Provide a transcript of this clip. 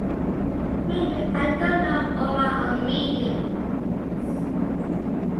Maybe I don't know all my own meanings.